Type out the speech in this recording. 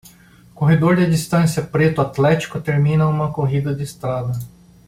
Corredor de distância preto atlético termina uma corrida de estrada